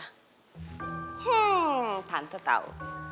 hmm tante tahu